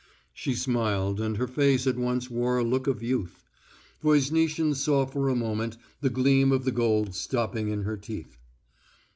She smiled, and her face at once wore a look of youth. Voznitsin saw for a moment the gleam of the gold stopping in her teeth.